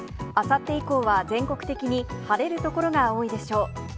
あさって以降は、全国的に晴れる所が多いでしょう。